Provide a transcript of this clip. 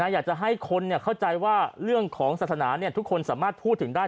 อยากจะให้คนเข้าใจว่าเรื่องของศาสนาทุกคนสามารถพูดถึงได้